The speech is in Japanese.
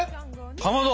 かまど！